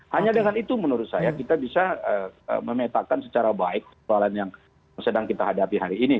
hanya dengan itu menurut saya kita bisa memetakan secara baik soalan yang sedang kita hadapi hari ini